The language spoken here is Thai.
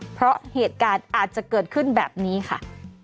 เพราะเหตุการณ์อาจจะเกิดขึ้นแบบนี้ค่ะ